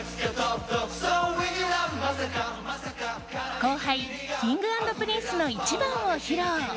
後輩Ｋｉｎｇ＆Ｐｒｉｎｃｅの「ｉｃｈｉｂａｎ」を披露。